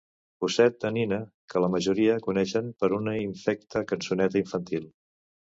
Cosset de nina que la majoria coneixem per una infecta cançoneta infantil.